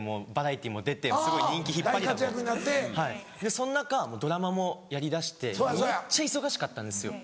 その中ドラマもやりだしてめっちゃ忙しかったんですよ。